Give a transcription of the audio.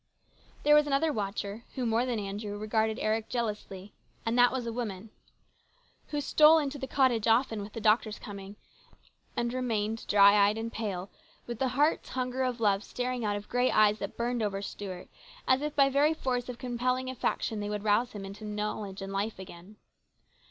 There was another watcher, who, more than Andrew, regarded Eric jealously, and that was a woman, who stole into the cottage often with the doctor's coming, and remained, dry eyed and pale, with the heart's hunger of love staring out of great eyes that burned over Stuart, as if by very force of compelling affection they would rouse him into know ledge and life again.